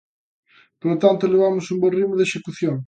Polo tanto, levamos un bo ritmo de execución.